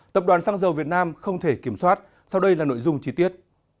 tập đoàn xăng dầu việt nam không thể kiểm soát sau đây là nội dung chi tiết